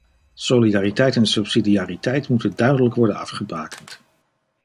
Solidariteit en subsidiariteit moeten duidelijk worden afgebakend.